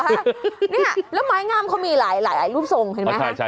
นี่แล้วไม้งามเขามีหลายรูปทรงเห็นไหมฮะ